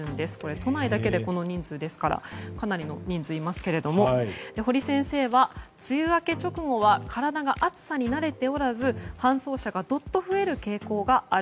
都内だけでこの人数ですからかなりの人数がいますが堀先生は梅雨明け直後は体が暑さに慣れておらず搬送車がどっと増える傾向がある。